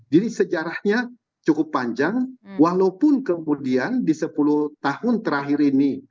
jadi sejarahnya cukup panjang walaupun kemudian di sepuluh tahun terakhir ini